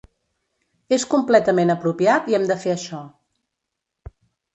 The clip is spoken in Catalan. És completament apropiat i hem de fer això.